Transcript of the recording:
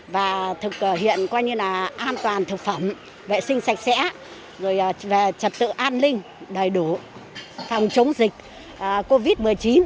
và thực hiện coi như là an toàn thực phẩm vệ sinh sạch sẽ rồi trật tự an ninh đầy đủ phòng chống dịch covid một mươi chín